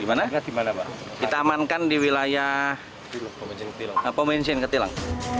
di mana kita amankan di wilayah pomenjin ketilang